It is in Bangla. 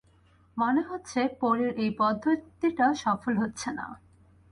মনে হচ্ছে, পলির এই পদ্ধতিটা সফল হচ্ছে না।